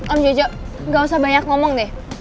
om jojo gak usah banyak ngomong deh